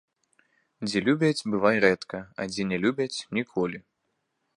Дзе любяць, бывай рэдка, а дзе ня любяць ‒ ніколі